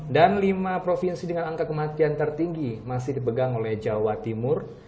dan lima provinsi dengan angka kematian tertinggi masih dipegang oleh jawa timur